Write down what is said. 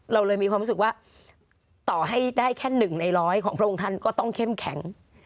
เราเลยมีความรู้สึกว่าต่อให้ได้แค่๑ในร้อยของพระองค์ท่านก็ต้องเข้มแข็ง